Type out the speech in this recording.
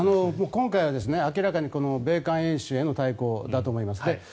今回は明らかに米韓演習への対抗だと思います。